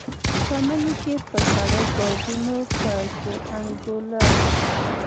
په مني کې به سړو بادونو په کې انګولل.